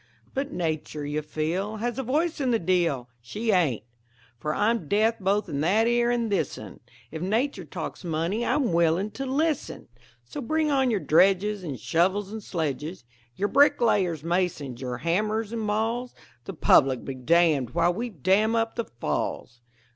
But Nature, you feel, Has a voice in the deal? She ain't. For I'm deaf both in that ear and this un If Nature talks Money I'm willin' to listen! So bring on your dredges, And shovels and sledges, Yer bricklayers, masons, yer hammers and mauls The public be dammed while we dam up the Falls.